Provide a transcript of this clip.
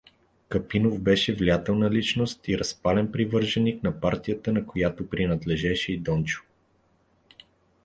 Капинов беше влиятелна личност и разпален привърженик на партията, на която принадлежеше и Дончо.